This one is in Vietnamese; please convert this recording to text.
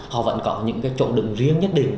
họ vẫn có những cái trộn đựng riêng nhất định